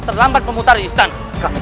terima kasih tuhan